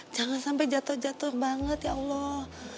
jangan sampai jatuh jatuh banget ya allah